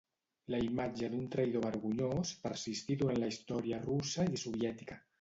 La imatge d'un traïdor vergonyós persistí durant la història russa i soviètica.